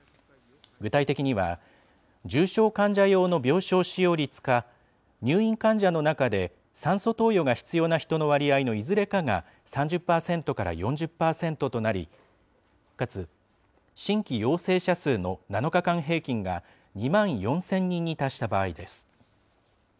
具体的には、重症患者用の病床使用率か、入院患者の中で酸素投与が必要な人の割合のいずれかが３０％から４０％となり、かつ、新規陽性者数の７日間平均が２万４０００人に達した場合です。